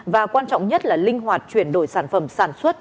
và quan trọng nhất là linh hoạt chuyển đổi sản phẩm sản xuất